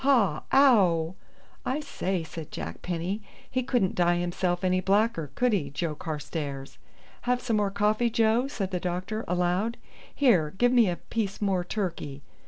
Haw ow!" "I say," said Jack Penny, "he couldn't dye himself any blacker, could he, Joe Carstairs?" "Have some more coffee, Joe?" said the doctor aloud. "Here, give me a piece more turkey."